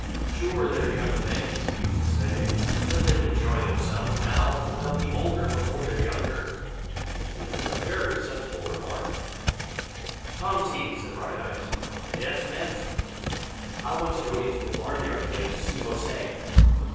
"Sure, they're young things!" he used to say. "Let them enjoy themselves now, for they'll be older before they're younger!" Which was a very sensible remark. "Tomty!" said Brighteyes. "Yes, miss." "I want to go into the barn yard again to see José."